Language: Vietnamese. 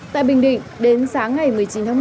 tại bình định đến sáng ngày một mươi chín tháng một mươi